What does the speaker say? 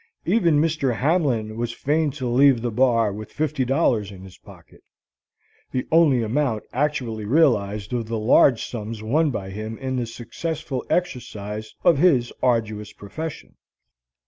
Even Mr. Hamlin was fain to leave the Bar with fifty dollars in his pocket, the only amount actually realized of the large sums won by him in the successful exercise of his arduous profession.